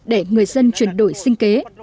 để người dân chuyển đổi sinh kế